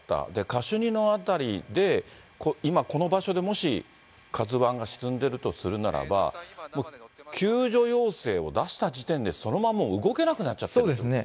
カシュニの辺りで今、この場所で、もしカズワンが沈んでいるとするならば、救助要請を出した時点で、そのまんま動けなくなっちゃってるってことですね？